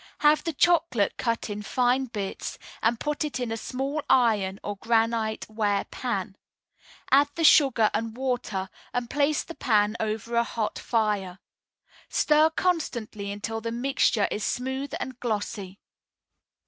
Have the chocolate cut in fine bits, and put it in a small iron or granite ware pan; add the sugar and water, and place the pan over a hot fire. Stir constantly until the mixture is smooth and glossy.